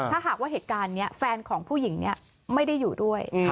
ถ้าหากว่าเหตุการณ์นี้แฟนของผู้หญิงนี้ไม่ได้อยู่ด้วย